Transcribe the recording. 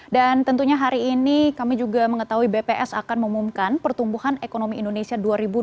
dan tentunya hari ini kami juga mengetahui bps akan mengumumkan pertumbuhan ekonomi indonesia dua ribu dua puluh dua